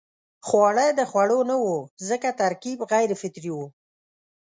خواړه د خوړو نه وو ځکه ترکیب غیر فطري وو.